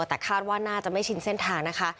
แต่คาดว่าน่าจะไม่ชินเส้นทางนะคะ